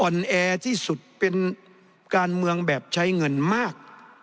แอที่สุดเป็นการเมืองแบบใช้เงินมาก